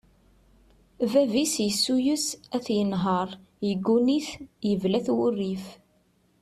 Bab-is yessuyes ad t-yenher, yegguni-t, yebla-t wurrif.